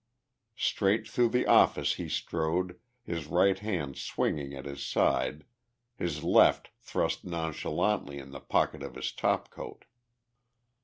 Straight through the office he strode, his right hand swinging at his side, his left thrust nonchalantly in the pocket of his topcoat.